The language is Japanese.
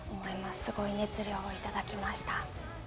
すごい熱量をいただきました。